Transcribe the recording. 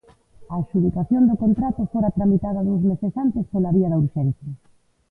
A adxudicación do contrato fora tramitada dous meses antes pola vía da urxencia.